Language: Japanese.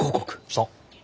そう。